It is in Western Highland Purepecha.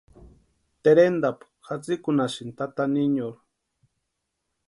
Terentapu jasïkunhasïnti tata niñorhu.